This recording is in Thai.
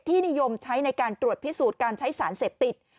นิยมใช้ในการตรวจพิสูจน์การใช้สารเสพติด